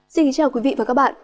xin chào quý vị và các bạn